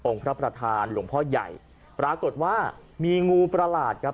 พระประธานหลวงพ่อใหญ่ปรากฏว่ามีงูประหลาดครับ